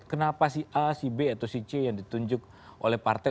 kenapa si a si b atau si c yang ditunjuk oleh partai